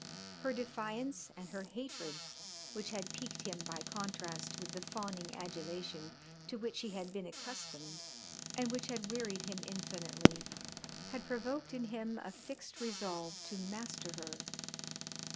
Her defiance and her hatred, which had piqued him by contrast with the fawning adulation to which he had been accustomed and which had wearied him infinitely, had provoked in him a fixed resolve to master her.